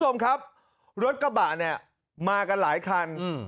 คุณผู้ชมครับรถกระบะเนี่ยมากันหลายคันอืม